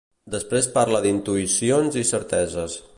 Després parla d'intuïcions i certeses.